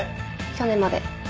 去年まで